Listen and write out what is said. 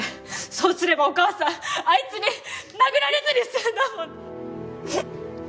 そうすればお母さんあいつに殴られずに済んだもの。